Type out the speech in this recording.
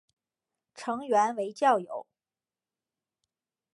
成员为教友。